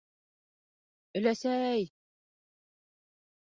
«Өләсәй!»